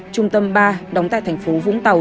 trung tâm ba đóng tại thành phố vũng tàu